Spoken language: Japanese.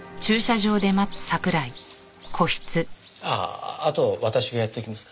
あああと私がやっときますから。